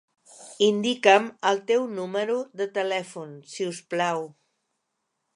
Indica'm el teu número de telèfon, si us plau.